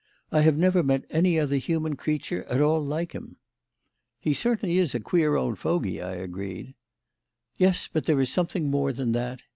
I have never met any other human creature at all like him." "He is certainly a queer old fogey," I agreed. "Yes, but there is something more than that.